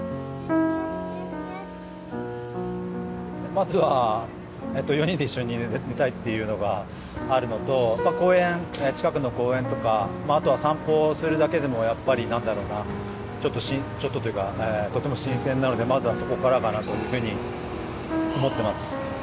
まずは４人で一緒に寝たいっていうのがあるのと公園近くの公園とかあとは散歩をするだけでもやっぱりなんだろうなちょっとちょっとというかとても新鮮なのでまずはそこからかなというふうに思っています。